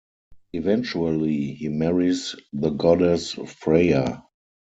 Eventually, he marries the goddess Freya.